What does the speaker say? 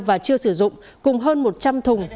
và chưa sử dụng cùng hơn một trăm linh thùng